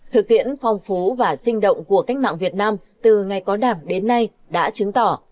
thực tiễn phong phú và sinh động của cách mạng việt nam từ ngày có đảng đến nay đã chứng tỏ